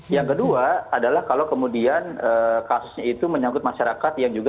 yang kedua adalah kalau kemudian kasusnya itu menyangkut masyarakat yang juga